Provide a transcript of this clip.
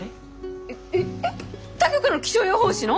えっ他局の気象予報士の？